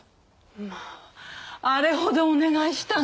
まああれほどお願いしたのに。